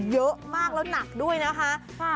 เยอะมากแล้วหนักด้วยนะคะ